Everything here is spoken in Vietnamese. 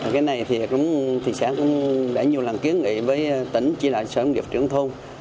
cái này thì xã cũng đã nhiều lần kiến nghị với tỉnh chỉ là sở nông nghiệp trưởng thôn